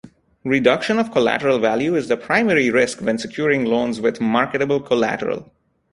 Reduction of collateral value is the primary risk when securing loans with marketable collateral.